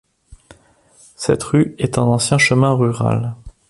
Cette rue est un ancien chemin rural.